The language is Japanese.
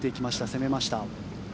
攻めました。